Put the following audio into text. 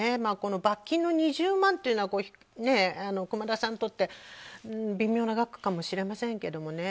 罰金の２０万っていうのは熊田さんにとって微妙な額かもしれませんけどね。